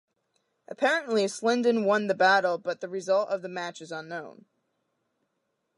Apparently, Slindon won the battle but the result of the match is unknown.